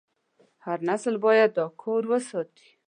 هر نسل باید دا کور وساتي.